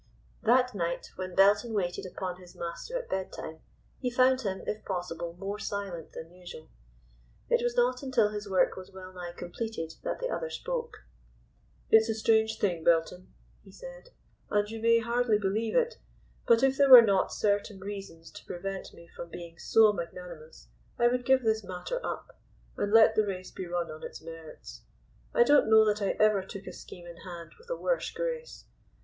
That night, when Belton waited upon his master at bedtime, he found him, if possible more silent than usual. It was not until his work was well nigh completed that the other spoke. "It's a strange thing Belton," he said, "and you may hardly believe it, but if there were not certain reasons to prevent me from being so magnanimous I would give this matter up, and let the race be run on its merits. I don't know that I ever took a scheme in hand with a worse grace.